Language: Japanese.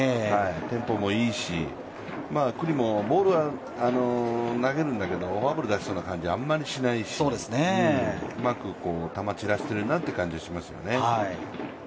テンポもいいし、九里もボールは投げるんだけどフォアボールを出しそうな感じはあまりしないし、うまく球散らしてるなという感じはしますよね。